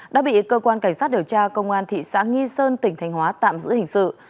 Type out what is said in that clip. đã bị cơ quan cảnh sát điều tra công an thị xã nghi sơn tỉnh thanh hóa tạm giữ hình sự